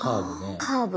カーブ。